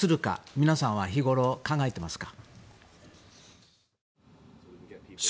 皆さんは日ごろ考えていますか？